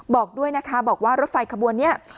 บอกด้วยนะคะบอกว่ารถไฟขบวนนี้